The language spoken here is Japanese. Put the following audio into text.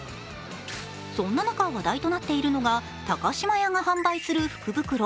そんな中話題となっているのが高島屋が販売する福袋。